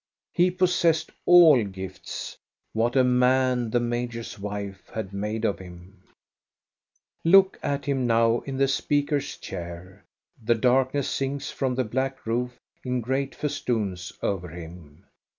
He possessed all gifts. What a man the major's wife had made of him ! Look at him now in the speaker's chair! The darkness sinks from the black roof in great festoons over him.